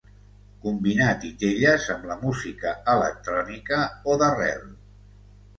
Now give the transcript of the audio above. Combinar titelles amb la música electrònica o d’arrel.